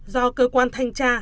do cơ quan thanh tra